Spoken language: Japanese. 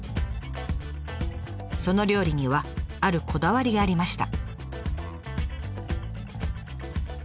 その料理にはあるこだわりがありました。